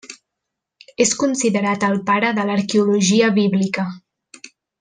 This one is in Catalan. És considerat el pare de l'Arqueologia bíblica.